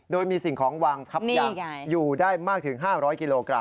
โดยมีสิ่งของวางทับอย่างอยู่ได้มากถึง๕๐๐กิโลกรั